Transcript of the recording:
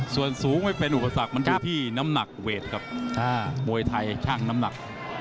ส่วนสูงไม่เป็นอุปสรรคมันอยู่ที่น้ำหนักเวทครับมวยไทยช่างน้ำหนัก